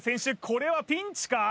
これはピンチか？